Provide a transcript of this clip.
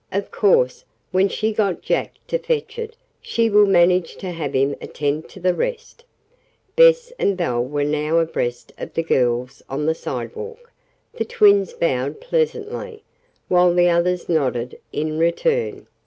Of course, when she got Jack to fetch it she will manage to have him attend to the rest." Bess and Belle were now abreast of the girls on the sidewalk. The twins bowed pleasantly, while the others nodded in return.